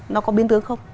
nó có biến tương không